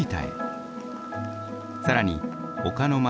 更に丘の街